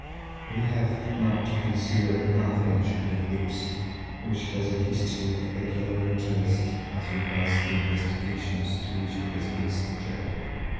We have now to consider another ancient eclipse which has a history of peculiar interest as regards the investigations to which it has been subjected.